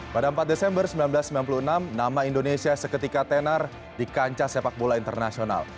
pada empat desember seribu sembilan ratus sembilan puluh enam nama indonesia seketika tenar di kancah sepak bola internasional